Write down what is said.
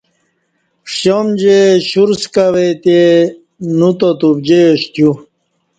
ݜیام جے شور سکہ وےتہ نوتات ابجییاش تیو